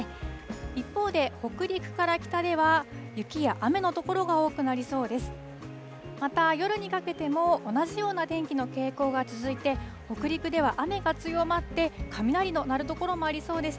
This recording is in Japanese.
一方で、北陸から北では、雪や雨の所が多くなりそうです。